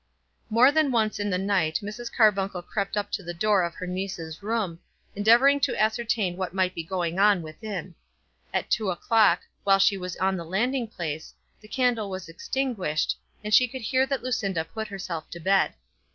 More than once in the night Mrs. Carbuncle crept up to the door of her niece's room, endeavouring to ascertain what might be going on within. At two o'clock, while she was on the landing place, the candle was extinguished, and she could hear that Lucinda put herself to bed.